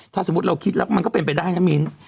ถ้าสมมุติเราคิดแล้วมันก็เป็นไปได้นะมิ้น